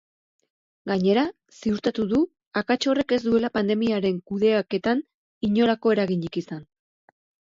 Gainera, ziurtatu du akats horrek ez duela pandemiaren kudeaketan inolako eraginik izan.